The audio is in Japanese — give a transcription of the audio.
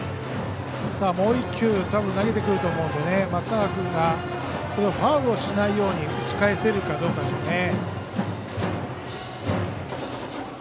もう１球多分投げてくると思うので松永君がファウルしないように打ち返せるかどうかでしょうね。